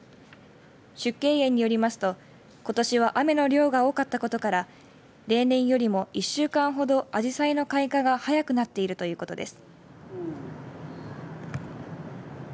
縮景園によりますとことしは雨の量が多かったことから例年よりも１週間ほどアジサイの開花が早くなっているということです。